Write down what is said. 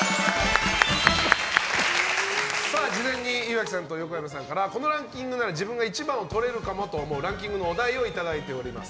事前に岩城さんと横山さんからこのランキングなら自分が１番をとれるかもと思うランキングのお題をいただいております。